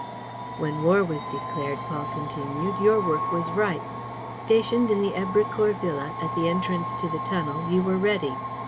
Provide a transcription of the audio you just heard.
"When war was declared," Paul continued, "your work was ripe. Stationed in the Èbrecourt villa, at the entrance to the tunnel, you were ready.